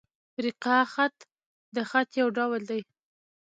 رِقاع خط؛ د خط یو ډول دﺉ.